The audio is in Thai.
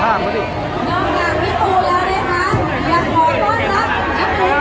และยังมีน้องก้อยด้วยนะครับมีคุณก้อยพอมาด้วยกับโลกภูมิวันเดือนรายเกียรติแม่งที่สุดแห่งก่อนให้โชว์มาก่อนนะครับ